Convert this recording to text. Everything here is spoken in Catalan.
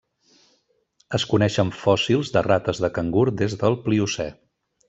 Es coneixen fòssils de rates de cangur des del Pliocè.